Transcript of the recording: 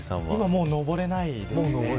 もう登れないですね。